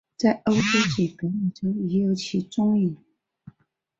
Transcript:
在欧洲及北美洲亦有其踪影。